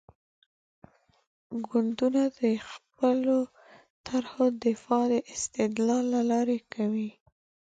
ګوندونه د خپلو طرحو دفاع د استدلال له لارې کوي.